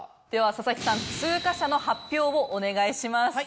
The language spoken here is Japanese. では佐々木さん通過者の発表をお願いします。